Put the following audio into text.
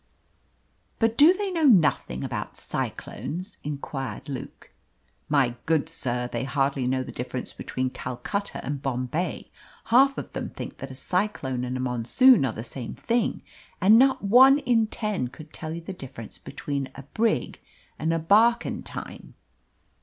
"But do they know nothing about cyclones?" inquired Luke. "My good sir, they hardly know the difference between Calcutta and Bombay. Half of them think that a cyclone and a monsoon are the same thing, and not one in ten could tell you the difference between a brig and a barquentine."